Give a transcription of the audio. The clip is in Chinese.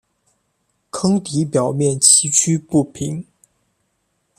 坑底表面崎岖不平。